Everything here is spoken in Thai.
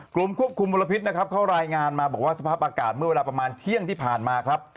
คุณบรพิษเข้ารายงานมาบอกว่าสภาพอากาศเมื่อเวลาประมาณเที่ยงที่ผ่านมาครับ